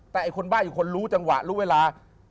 แต่ไอ้คนบ้าอยู่คนรู้จังหวะรู้เวลา